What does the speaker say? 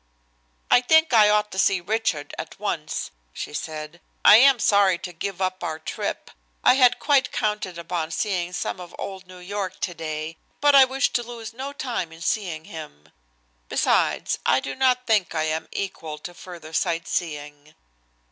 "I think I ought to see Richard at once," she said. "I am sorry to give up our trip. I had quite counted upon seeing some of old New York today, but I wish to lose no time in seeing him. Besides, I do not think I am equal to further sightseeing."